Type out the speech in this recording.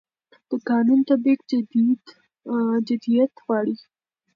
د قانون تطبیق جديت غواړي